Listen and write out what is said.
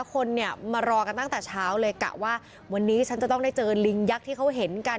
คนเนี่ยมารอกันตั้งแต่เช้าเลยกะว่าวันนี้ฉันจะต้องได้เจอลิงยักษ์ที่เขาเห็นกัน